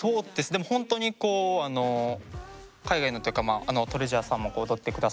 でもほんとにこう海外のっていうかＴＲＥＡＳＵＲＥさんも踊って下さいましたし。